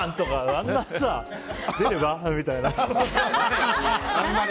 あんな、出れば？みたいなのは。